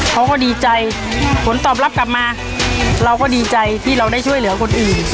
เขาก็ดีใจผลตอบรับกลับมาเราก็ดีใจที่เราได้ช่วยเหลือคนอื่น